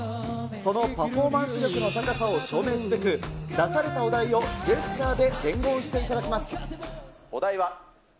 そのパフォーマンス力の高さを証明すべく、出されたお題をジェスチャーで伝言していただきます。